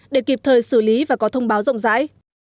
để kịp thời xử lý và có thông báo rộng rãi